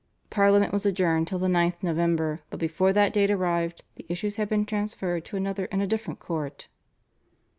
Parliament was adjourned till the 9th November, but before that date arrived the issues had been transferred to another and a different court.